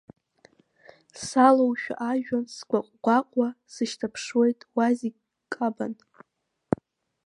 Салоушәа ажәҩан сгәаҟ-гәаҟуа, сышьҭаԥшуеит, уа зегь кабан.